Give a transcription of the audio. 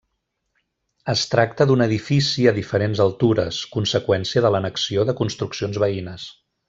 Es tracta d'un edifici a diferents altures, conseqüència de l'annexió de construccions veïnes.